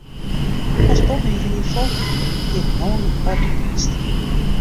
As Bob myn ried folge hie, hie it no yn oarder west.